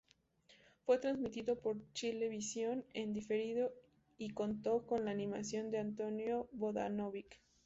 Fue transmitido por Chilevisión, en diferido, y contó con la animación de Antonio Vodanovic.